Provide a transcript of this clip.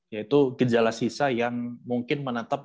yaitu gejala sisa yang mungkin menatap